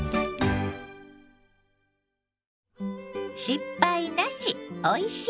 「失敗なし！